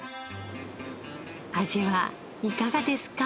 味はいかがですか？